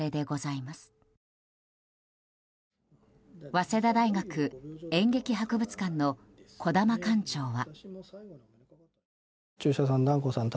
早稲田大学演劇博物館の児玉館長は。